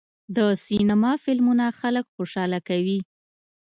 د سینما فلمونه خلک خوشحاله کوي.